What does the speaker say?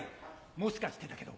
『もしかしてだけど』。